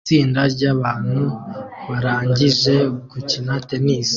Itsinda ryabantu barangije gukina tennis